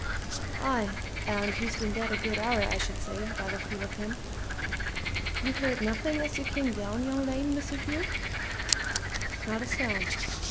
"Aye, and he's been dead a good hour, I should say, by the feel of him! You heard nothing as you came down yon lane, Mr. Hugh?" "Not a sound!"